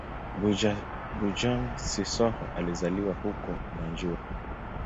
Bojang-Sissoho alizaliwa huko Gunjur.